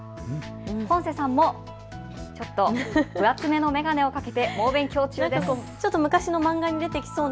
ポンセさんも分厚めの眼鏡をかけて猛勉強中です。